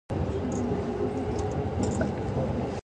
Hamilton was born at Ashwick shutup Station near Fairlie, New Zealand.